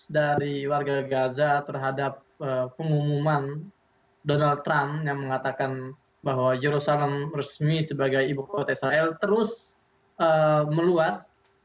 dari warga gaza terhadap pengumuman donald trump yang mengatakan bahwa yerusalem resmi sebagai ibu kota israel terus meluas